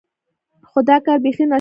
خو دا کار بیخي ناشونی ښکاري.